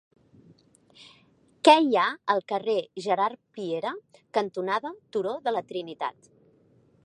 Què hi ha al carrer Gerard Piera cantonada Turó de la Trinitat?